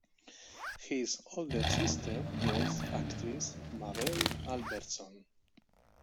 His older sister was actress Mabel Albertson.